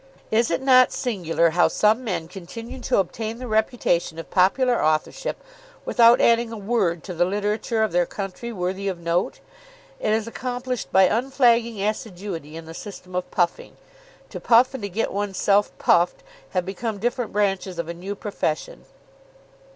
Is it not singular how some men continue to obtain the reputation of popular authorship without adding a word to the literature of their country worthy of note? It is accomplished by unflagging assiduity in the system of puffing. To puff and to get one's self puffed have become different branches of a new profession.